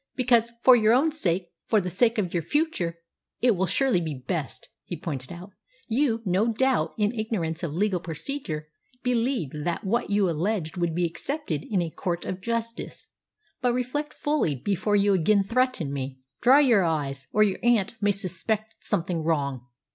"Because, for your own sake for the sake of your future it will surely be best," he pointed out. "You, no doubt, in ignorance of legal procedure, believed that what you alleged would be accepted in a court of justice. But reflect fully before you again threaten me. Dry your eyes, or your aunt may suspect something wrong."